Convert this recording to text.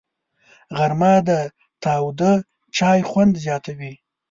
غرمه د تاوده چای خوند زیاتوي